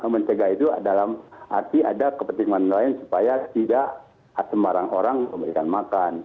mencegah itu dalam arti ada kepentingan lain supaya tidak sembarang orang memberikan makan